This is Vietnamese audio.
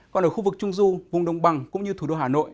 còn ở khu vực trung du vùng đông băng cũng như thủ đô hà nội